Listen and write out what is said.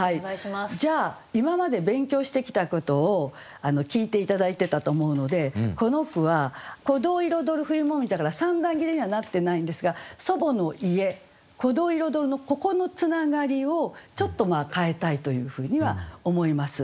じゃあ今まで勉強してきたことを聞いて頂いてたと思うのでこの句は「古道彩る冬紅葉」だから三段切りにはなってないんですが「祖母の家古道彩る」のここのつながりをちょっと変えたいというふうには思います。